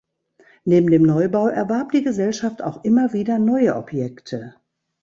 Neben dem Neubau erwarb die Gesellschaft auch immer wieder neue Objekte.